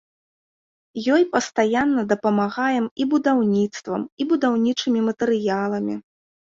Ёй пастаянна дапамагаем і будаўніцтвам, і будаўнічымі матэрыяламі.